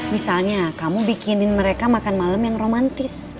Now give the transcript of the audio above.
misalnya kamu bikinin mereka makan malam yang romantis